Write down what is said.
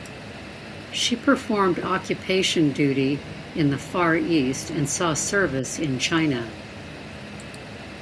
She performed occupation duty in the Far East and saw service in China.